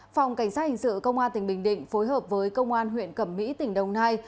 phòng cảnh sát hình sự công an tỉnh bình định phối hợp với công an huyện cẩm mỹ tỉnh đồng nai